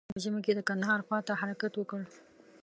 ميرويس خان په ژمې کې د کندهار خواته حرکت وکړ.